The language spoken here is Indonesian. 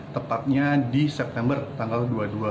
tepatnya di september tanggal dua puluh dua